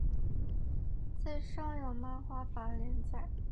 在上有漫画版连载。